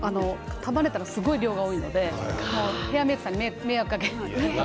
束ねたらすごい量が多いのでヘアメークさんに迷惑をかけています。